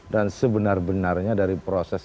dan sebenar benarnya dari proses